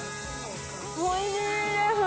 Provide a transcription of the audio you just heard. おいしいです。